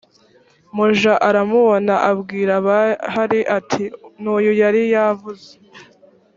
muja aramubona abwira abahari ati n uyu yari yavuze